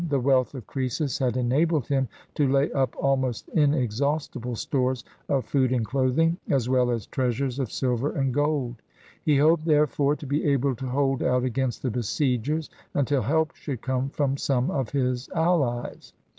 The wealth of Croesus had enabled him to lay up almost inexhaustible stores of food and clothing, as well as treasures of silver and gold. He hoped, therefore, to be able to hold out against the besiegers until help should come from some of his allies.